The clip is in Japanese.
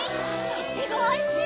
イチゴおいしい！